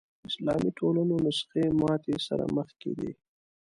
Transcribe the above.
اسلامي ټولنو نسخې ماتې سره مخ کېدې